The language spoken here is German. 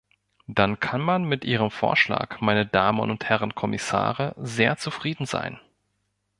Dann kann man mit Ihrem Vorschlag, meine Dame und Herren Kommissare, sehr zufrieden sein.